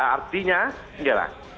artinya ini lah